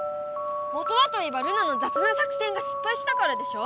もとはといえばルナのざつな作戦がしっぱいしたからでしょ！